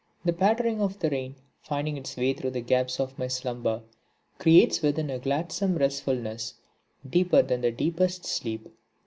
The pattering of the rain finding its way through the gaps of my slumber, creates within a gladsome restfulness deeper than the deepest sleep.